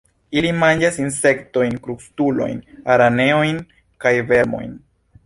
Ili manĝas insektojn, krustulojn, araneojn kaj vermojn.